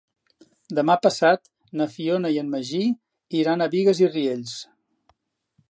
Demà passat na Fiona i en Magí iran a Bigues i Riells.